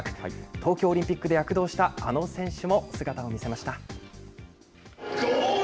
東京オリンピックで躍動したあの選手も姿を見せました。